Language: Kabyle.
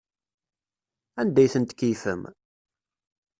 Anda ay ten-tkeyyfem?